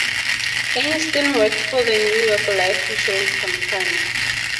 Einstein worked for the New York Life Insurance Company.